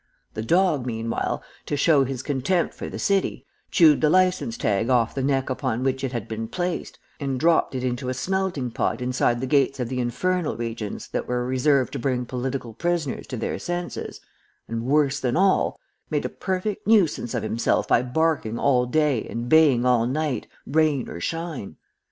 The dog, meanwhile, to show his contempt for the city, chewed the license tag off the neck upon which it had been placed, and dropped it into a smelting pot inside the gates of the infernal regions that was reserved to bring political prisoners to their senses, and, worse than all, made a perfect nuisance of himself by barking all day and baying all night, rain or shine."